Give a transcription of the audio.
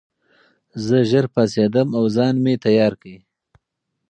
زه ژر پاڅېدم او ځان مې چمتو کړ.